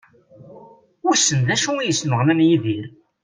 Wissen d acu i yesnuɣnan Yidir?